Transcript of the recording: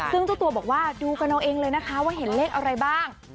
ซึ่งเจ้าตัวบอกว่าดูกันเอาเองเลยนะคะว่าเห็นเลขอะไรบ้าง